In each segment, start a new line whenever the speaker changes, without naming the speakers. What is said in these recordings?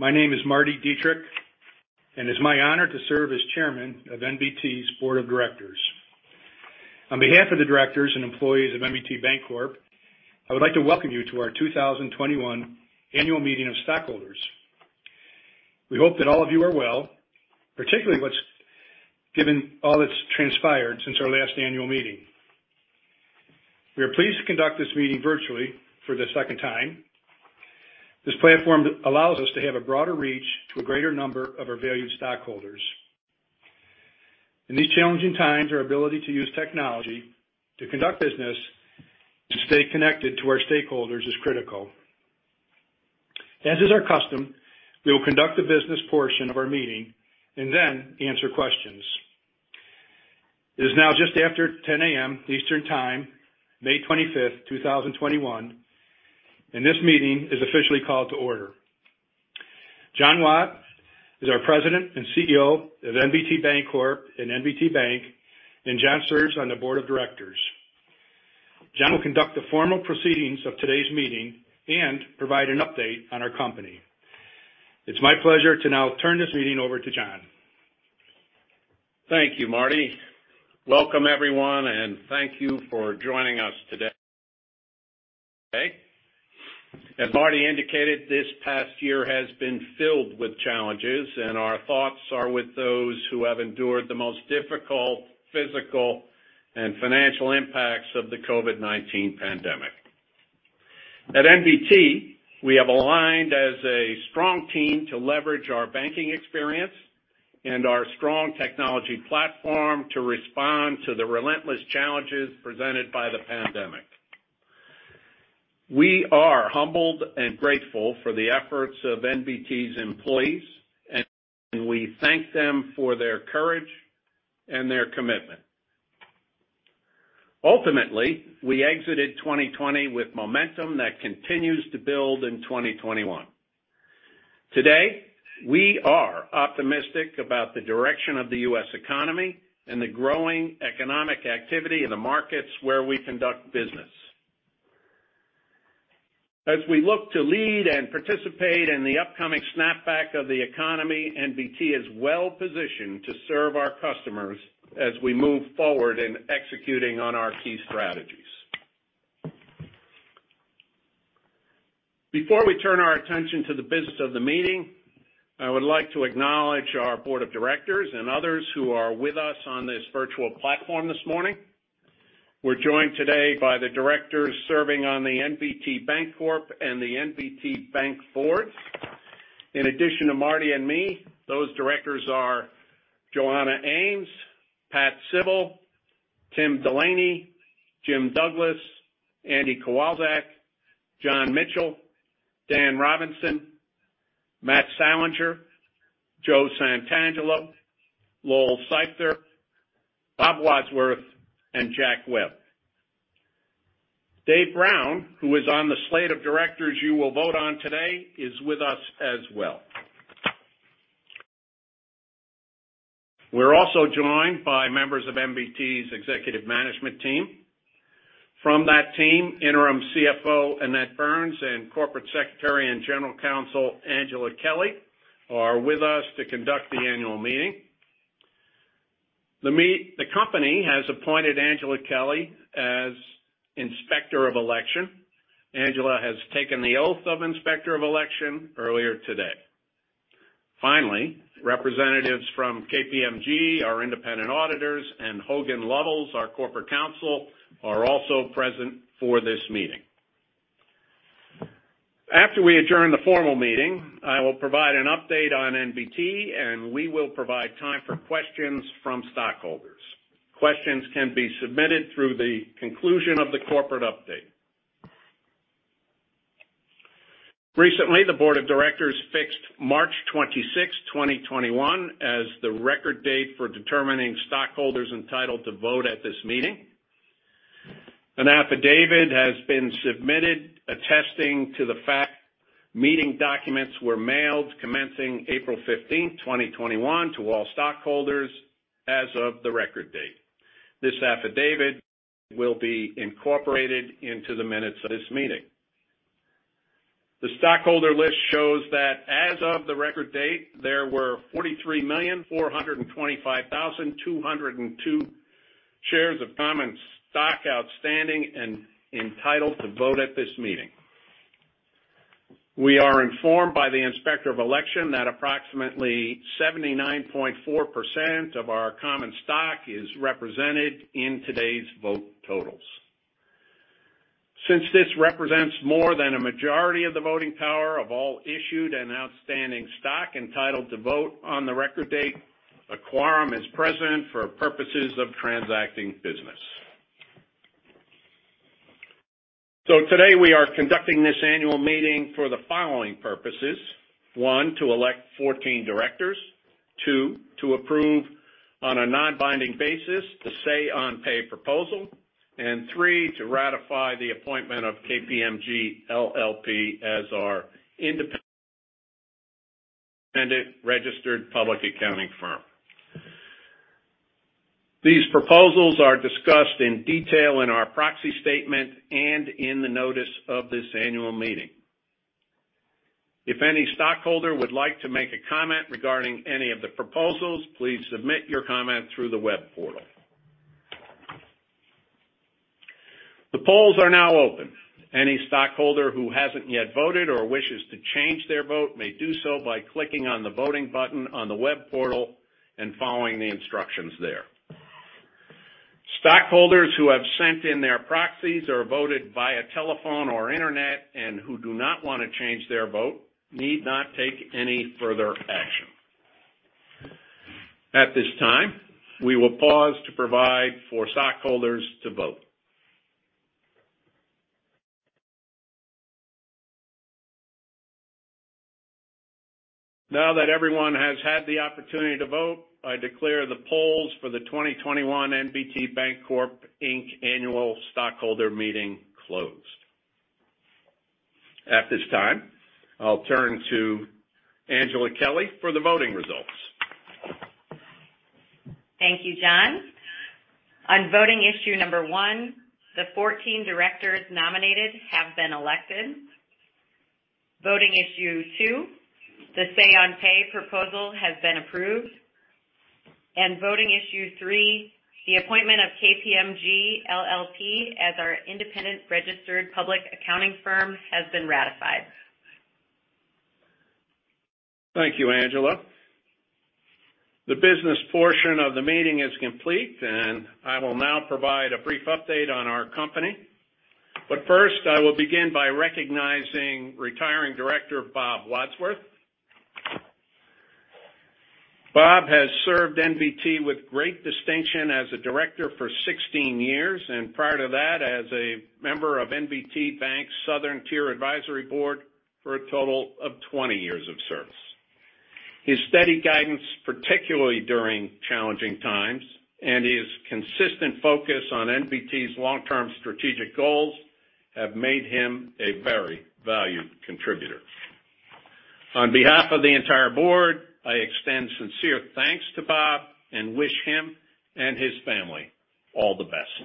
My name is Marty Dietrich, and it's my honor to serve as chairman of NBT's Board of Directors. On behalf of the directors and employees of NBT Bancorp, I would like to welcome you to our 2021 Annual Meeting of stockholders. We hope that all of you are well, particularly given all that's transpired since our last annual meeting. We are pleased to conduct this meeting virtually for the second time. This platform allows us to have a broader reach to a greater number of our valued stockholders. In these challenging times, our ability to use technology to conduct business and stay connected to our stakeholders is critical. As is our custom, we will conduct the business portion of our meeting and then answer questions. It is now just after 10:00 A.M. Eastern Time, May 25th, 2021, and this meeting is officially called to order. John Watt is our President and CEO of NBT Bancorp and NBT Bank, and John serves on the Board of Directors. John will conduct the formal proceedings of today's meeting and provide an update on our company. It's my pleasure to now turn this meeting over to John.
Thank you, Marty. Welcome everyone, and thank you for joining us today. As Marty indicated, this past year has been filled with challenges, and our thoughts are with those who have endured the most difficult- physical and financial impacts of the COVID-19 pandemic. At NBT, we have aligned as a strong team to leverage our banking experience and our strong technology platform to respond to the relentless challenges presented by the pandemic. We are humbled and grateful for the efforts of NBT's employees, and we thank them for their courage and their commitment. Ultimately, we exited 2020 with momentum that continues to build in 2021. Today, we are optimistic about the direction of the U.S. economy and the growing economic activity in the markets where we conduct business. As we look to lead and participate in the upcoming snapback of the economy, NBT is well-positioned to serve our customers as we move forward in executing on our key strategies. Before we turn our attention to the business of the meeting, I would like to acknowledge our Board of Directors and others who are with us on this virtual platform this morning. We're joined today by the Directors serving on the NBT Bancorp and the NBT Bank Boards. In addition to Marty and me, those Directors are: Johanna Ames, Pat Sibel, Tim Delaney, Jim Douglas, Andy Kowalczyk, John Mitchell, Dan Robinson, Matt Salanger, Joe Santangelo, Lowell Seifter, Rob Wadsworth, and Jack Webb. Dave Brown, who is on the slate of directors you will vote on today, is with us as well. We're also joined by members of NBT's Executive Management Team. From that team, interim CFO, Annette Burns, and Corporate Secretary and General Counsel, Angela Kelley, are with us to conduct the annual meeting. The company has appointed Angela Kelley as inspector of election. Angela has taken the oath of inspector of election earlier today. Representatives from KPMG, our independent auditors, and Hogan Lovells, our corporate counsel, are also present for this meeting. After we adjourn the formal meeting, I will provide an update on NBT, and we will provide time for questions from stockholders. Questions can be submitted through the conclusion of the corporate update. Recently, the Board of Directors fixed March 26th, 2021, as the record date for determining stockholders entitled to vote at this meeting. An affidavit has been submitted attesting to the fact meeting documents were mailed commencing April 15th, 2021, to all stockholders as of the record date. This affidavit will be incorporated into the minutes of this meeting. The stockholder list shows that as of the record date, there were 43,425,202 shares of common stock outstanding and entitled to vote at this meeting. We are informed by the inspector of election that approximately 79.4% of our common stock is represented in today's vote totals. This represents more than a majority of the voting power of all issued and outstanding stock entitled to vote on the record date, a quorum is present for purposes of transacting business. Today, we are conducting this annual meeting for the following purposes- one, to elect 14 Directors, two, to approve on a non-binding basis the say-on-pay proposal, and three, to ratify the appointment of KPMG LLP as our independent registered public accounting firm. These proposals are discussed in detail in our proxy statement and in the notice of this Annual Meeting. If any stockholder would like to make a comment regarding any of the proposals, please submit your comment through the web portal. The polls are now open. Any stockholder who hasn't yet voted or wishes to change their vote may do so by clicking on the voting button on the web portal and following the instructions there. Stockholders who have sent in their proxies or voted via telephone or internet and who do not want to change their vote need not take any further action. At this time, we will pause to provide for stockholders to vote. Now that everyone has had the opportunity to vote, I declare the polls for the 2021 NBT Bancorp Inc. Annual Stockholder Meeting closed. At this time, I'll turn to Angela Kelley for the voting results.
Thank you, John. On voting issue number one, the 14 Directors nominated have been elected. Voting issue two, the say-on-pay proposal has been approved, and voting issue three, the appointment of KPMG LLP as our independent registered public accounting firm has been ratified.
Thank you, Angela. The business portion of the meeting is complete, and I will now provide a brief update on our company. First, I will begin by recognizing retiring director Bob Wadsworth. Bob has served NBT with great distinction as a director for 16 years, and prior to that, as a member of NBT Bank's Southern Tier Advisory Board for a total of 20 years of service. His steady guidance, particularly during challenging times, and his consistent focus on NBT's long-term strategic goals have made him a very valued contributor. On behalf of the entire Board, I extend sincere thanks to Bob and wish him and his family all the best.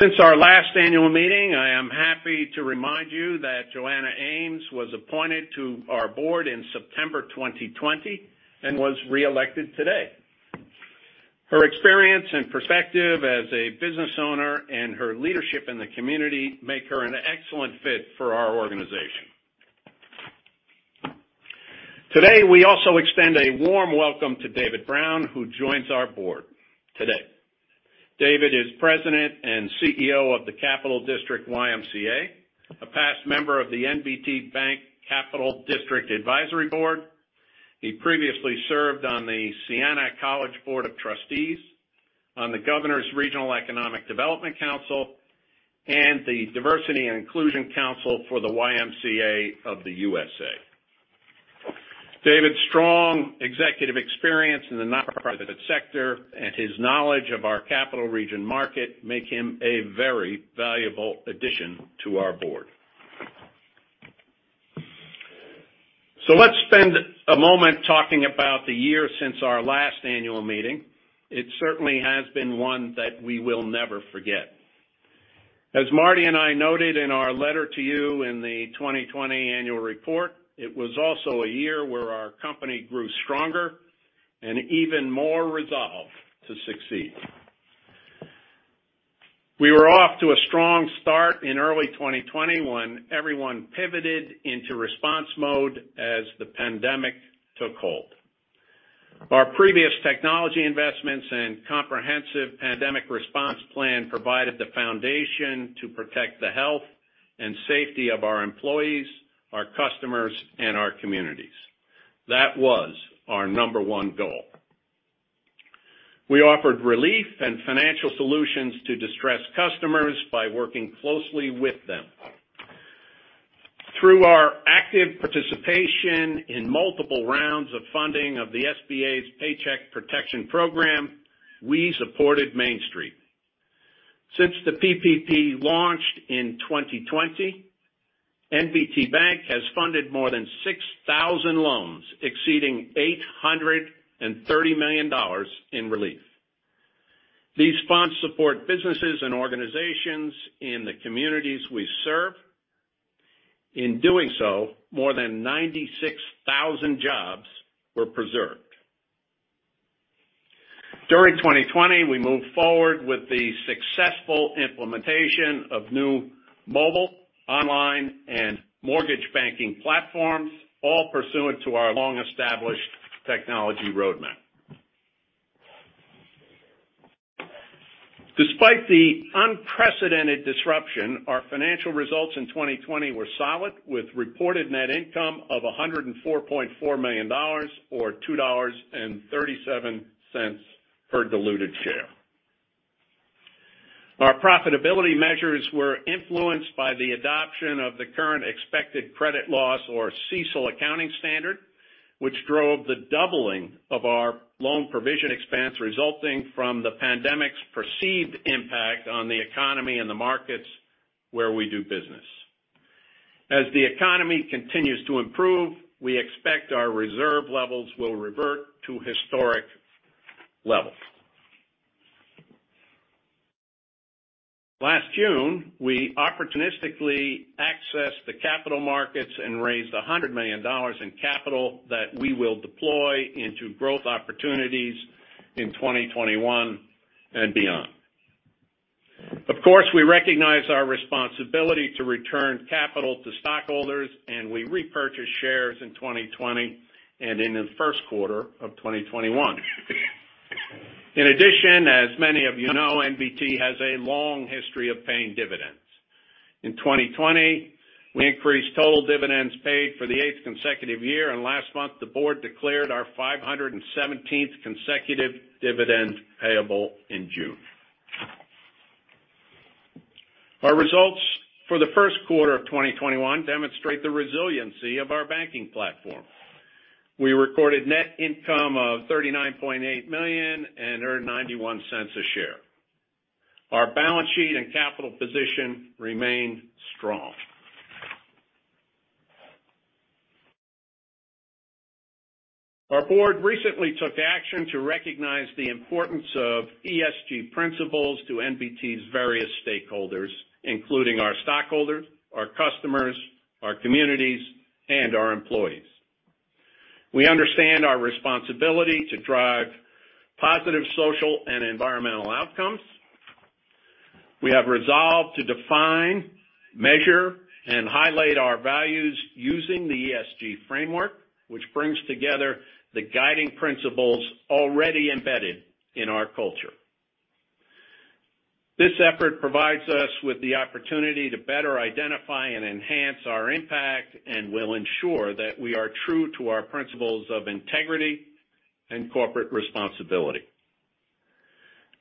Since our last annual meeting, I am happy to remind you that Johanna Ames was appointed to our Board in September 2020 and was reelected today. Her experience and perspective as a business owner and her leadership in the community make her an excellent fit for our organization. We also extend a warm welcome to David Brown, who joins our Board today. David is President and CEO of the Capital District YMCA, a past member of the NBT Bank Capital District Advisory Board. He previously served on the Siena College Board of Trustees, on the governor's Regional Economic Development Council, and the Diversity and Inclusion Council for the YMCA of the USA. David's strong executive experience in the nonprofit sector and his knowledge of our Capital Region market make him a very valuable addition to our Board. Let's spend a moment talking about the year since our last annual meeting. It certainly has been one that we will never forget. As Marty and I noted in our letter to you in the 2020 Annual Report, it was also a year where our company grew stronger and even more resolved to succeed. We were off to a strong start in early 2020 when everyone pivoted into response mode as the pandemic took hold. Our previous technology investments and comprehensive pandemic response plan provided the foundation to protect the health and safety of our employees, our customers, and our communities. That was our number one goal. We offered relief and financial solutions to distressed customers by working closely with them. Through our active participation in multiple rounds of funding of the SBA's Paycheck Protection Program, we supported Main Street. Since the PPP launched in 2020, NBT Bank has funded more than 6,000 loans exceeding $830 million in relief. These funds support businesses and organizations in the communities we serve. In doing so, more than 96,000 jobs were preserved. During 2020, we moved forward with the successful implementation of new mobile, online, and mortgage banking platforms, all pursuant to our long-established technology roadmap. Despite the unprecedented disruption, our financial results in 2020 were solid, with reported net income of $104.4 million, or $2.37 per diluted share. Our profitability measures were influenced by the adoption of the Current Expected Credit Loss, or CECL, accounting standard, which drove the doubling of our loan provision expense resulting from the pandemic's perceived impact on the economy and the markets where we do business. As the economy continues to improve, we expect our reserve levels will revert to historic levels. Last June, we opportunistically accessed the capital markets and raised $100 million in capital that we will deploy into growth opportunities in 2021 and beyond. Of course, we recognize our responsibility to return capital to stockholders, and we repurchased shares in 2020 and in the first quarter of 2021. In addition, as many of you know, NBT has a long history of paying dividends. In 2020, we increased total dividends paid for the eighth consecutive year, and last month the Board declared our 517th consecutive dividend payable in June. Our results for the first quarter of 2021 demonstrate the resiliency of our banking platform. We recorded net income of $39.8 million and earned $0.91 a share. Our balance sheet and capital position remain strong. Our Board recently took action to recognize the importance of ESG principles to NBT's various stakeholders, including our stockholders, our customers, our communities, and our employees. We understand our responsibility to drive positive social and environmental outcomes. We have resolved to define, measure, and highlight our values using the ESG framework, which brings together the guiding principles already embedded in our culture. This effort provides us with the opportunity to better identify and enhance our impact and will ensure that we are true to our principles of integrity and corporate responsibility.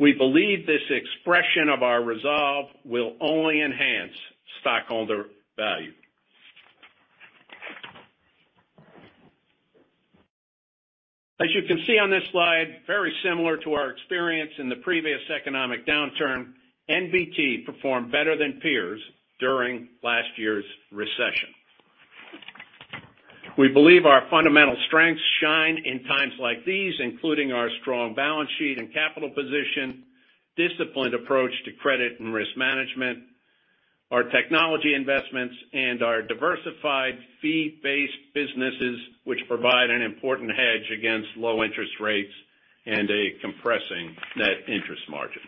We believe this expression of our resolve will only enhance stockholder value. As you can see on this slide, very similar to our experience in the previous economic downturn, NBT performed better than peers during last year's recession. We believe our fundamental strengths shine in times like these, including our strong balance sheet and capital position, disciplined approach to credit and risk management, our technology investments, and our diversified fee-based businesses, which provide an important hedge against low interest rates and a compressing net interest margin.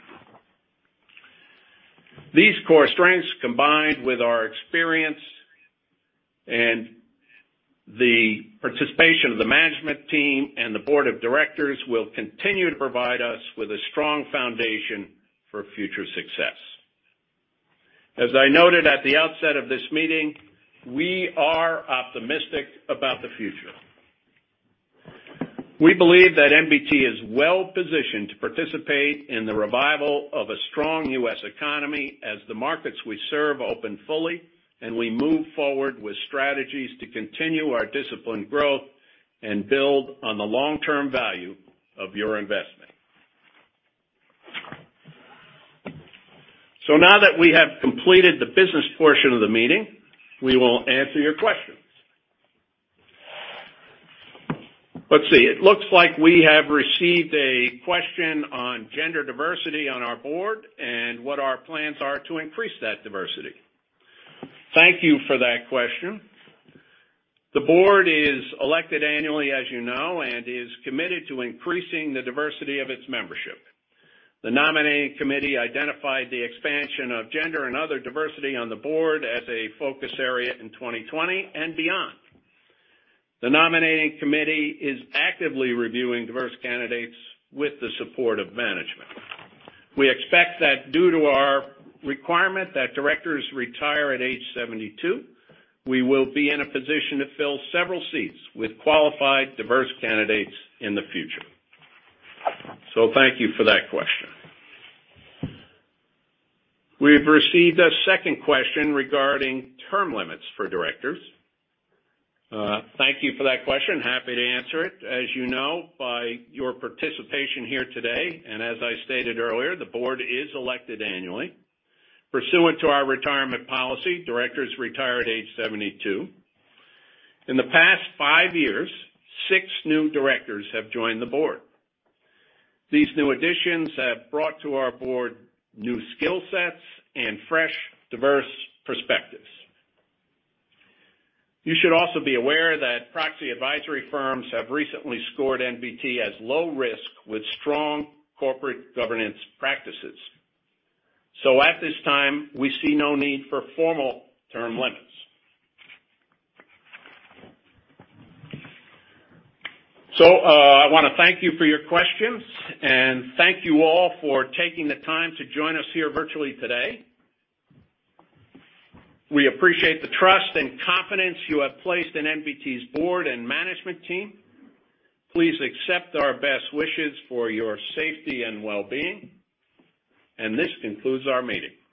These core strengths, combined with our experience and the participation of the management team and the Board of Directors, will continue to provide us with a strong foundation for future success. As I noted at the outset of this meeting, we are optimistic about the future. We believe that NBT is well-positioned to participate in the revival of a strong U.S. economy as the markets we serve open fully and we move forward with strategies to continue our disciplined growth and build on the long-term value of your investment. Now that we have completed the business portion of the meeting, we will answer your questions. Let's see. It looks like we have received a question on gender diversity on our Board and what our plans are to increase that diversity. Thank you for that question. The Board is elected annually, as you know, and is committed to increasing the diversity of its membership. The nominating committee identified the expansion of gender and other diversity on the Board as a focus area in 2020 and beyond. The nominating committee is actively reviewing diverse candidates with the support of management. We expect that due to our requirement that directors retire at age 72, we will be in a position to fill several seats with qualified diverse candidates in the future. Thank you for that question. We've received a second question regarding term limits for directors. Thank you for that question. Happy to answer it. As you know by your participation here today, and as I stated earlier, the Board is elected annually. Pursuant to our retirement policy, directors retire at age 72. In the past five years, six new directors have joined the Board. These new additions have brought to our Board new skill sets and fresh, diverse perspectives. You should also be aware that proxy advisory firms have recently scored NBT as low risk with strong corporate governance practices. At this time, we see no need for formal term limits. I want to thank you for your questions, and thank you all for taking the time to join us here virtually today. We appreciate the trust and confidence you have placed in NBT's Board and management team. Please accept our best wishes for your safety and well-being. This concludes our meeting.